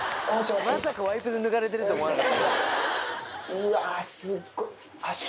うわすっごい。